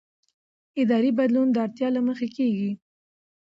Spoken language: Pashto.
اداري بدلون د اړتیا له مخې کېږي